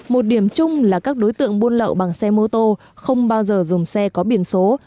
một điểm chung là các đối tượng buôn lậu bằng xe mô tô không bao giờ dùng xe có biển số